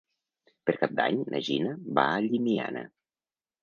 Per Cap d'Any na Gina va a Llimiana.